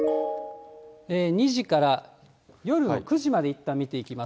２時から夜の９時までいったん見ていきます。